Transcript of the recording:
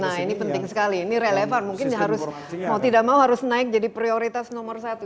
nah ini penting sekali ini relevan mungkin harus mau tidak mau harus naik jadi prioritas nomor satu